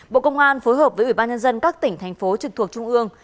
bộ công an phối hợp với ủy ban nhân dân các tỉnh thành phố trực thuộc trung ương